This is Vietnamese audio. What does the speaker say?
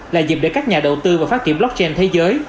là dịp để các nhà đầu tư và phát triển blockchain thế giới